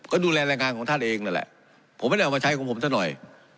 ก็ดูแลแรงงานของท่านเองนั่นแหละผมไม่ได้เอามาใช้ของผมซะหน่อย